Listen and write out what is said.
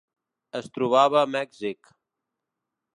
Es trobava a Mèxic.